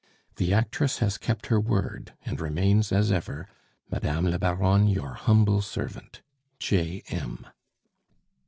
"The actress has kept her word, and remains, as ever, "Madame la Baronne, your humble servant, "J. M."